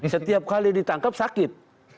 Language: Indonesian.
setiap kali ditangkap sakit